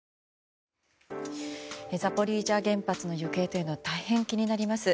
ザポリージャ原発の行方は大変気になります。